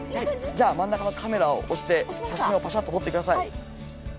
じゃあ真ん中の「カメラ」を押して写真をパシャッと撮ってください。